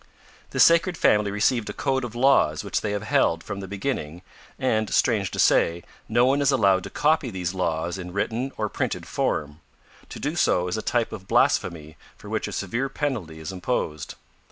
This Sacred Family received a code of laws which they have held from the beginning and, strange to say, no one is allowed to copy these laws in written or printed form. To do so is a type of blasphemy for which a severe penalty is imposed.